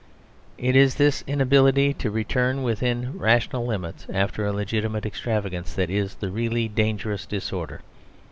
It is this inability to return within rational limits after a legitimate extravagance that is the really dangerous disorder.